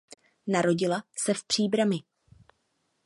Narodila se v Příbrami.